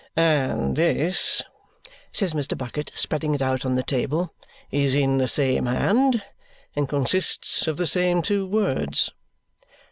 "And this," says Mr. Bucket, spreading it out on the table, "is in the same hand, and consists of the same two words."